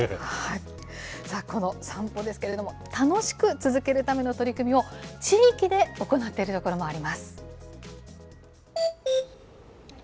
この散歩ですけれども、楽しく続けるための取り組みを地域で行っている所もあります。